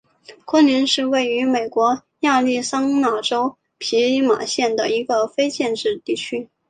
昆林是位于美国亚利桑那州皮马县的一个非建制地区。